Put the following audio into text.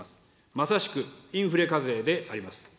まさしくインフレ課税であります。